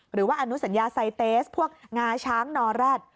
หรือว่าอนุสัญญาไซเตสพวกงาช้างนอแร็ด